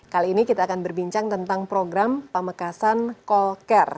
kali ini kita akan berbincang tentang program pamekasan call care